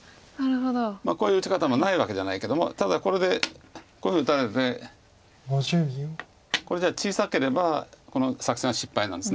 こういう打ち方もないわけじゃないけどもただこれでこういうふうに打たれてこれじゃ小さければこの作戦は失敗なんです。